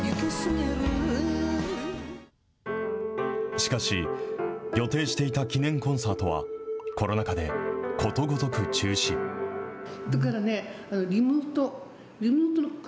しかし、予定していた記念コンサートはコロナ禍でことごとく中止に。